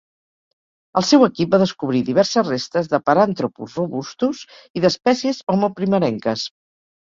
El seu equip va descobrir diverses restes de "Paranthropus robustus" i d'espècies "Homo" primerenques.